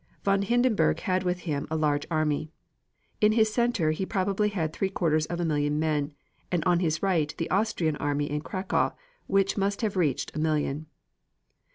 Von Hindenburg had with him a large army. In his center he probably had three quarters of a million men, and on his right the Austrian army in Cracow, which must have reached a million.